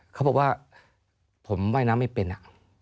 เขาบอกว่าผมว่ายน้ำไม่เป็น